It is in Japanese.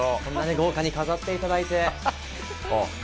こんなに豪華に飾っていただいて。